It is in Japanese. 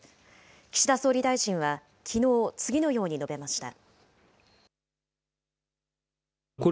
岸田総理大臣はきのう、次のように述べました。